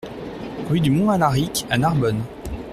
Rue du Mont Alaric à Narbonne